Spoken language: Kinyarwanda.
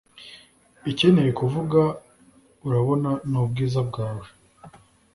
Ikinteye kuvuga urabona nubwiza bwawe